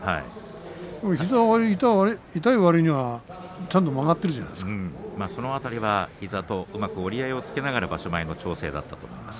膝が痛いわりにはちゃんと曲がっているその辺りは膝とうまく折り合いをつけながらの調整だったと思います。